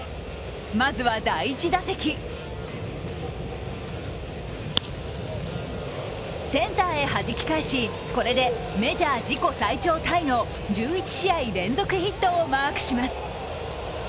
まずは第１打席センターへはじき返しこれでメジャー自己最長タイの１１試合連続ヒットをマークします。